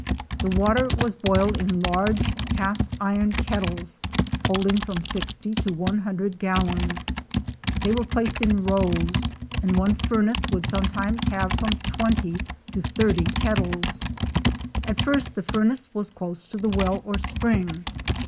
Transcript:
The water was boiled in large cast iron kettles, hold ing from 60 to 100 gallons. They were placed in rows, and one fur nace would sometimes have from 20 to 30 kettles. At first the furnace was close to the well or spring.